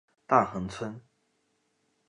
大衡村。